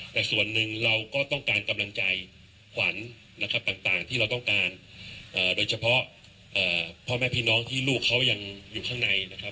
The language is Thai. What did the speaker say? แต่ส่วนหนึ่งเราก็ต้องการกำลังใจขวัญนะครับต่างที่เราต้องการโดยเฉพาะพ่อแม่พี่น้องที่ลูกเขายังอยู่ข้างในนะครับ